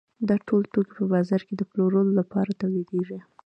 دا ټول توکي په بازار کې د پلورلو لپاره تولیدېږي